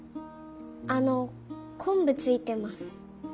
あのこんぶついてます。